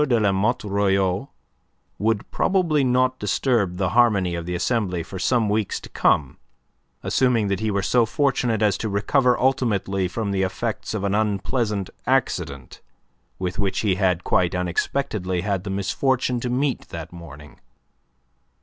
de La Motte Royau would probably not disturb the harmony of the Assembly for some weeks to come, assuming that he were so fortunate as to recover ultimately from the effects of an unpleasant accident with which he had quite unexpectedly had the misfortune to meet that morning.